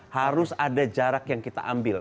harus ada jarak yang kita ambil